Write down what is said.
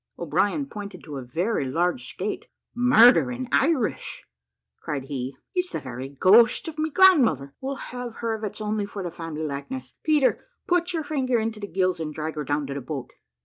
O'Brien pointed to a very large skate "Murder in Irish!" cried he, "it's the very ghost of of my grandmother: we'll have her if it's only for the family likeness. Peter, put your finger into the gills, and drag her down to the boat."